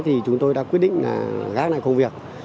thì chúng tôi đã quyết định gác lại công việc